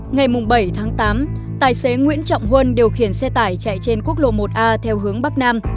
ngày bảy tháng tám tài xế nguyễn trọng huân điều khiển xe tải chạy trên quốc lộ một a theo hướng bắc nam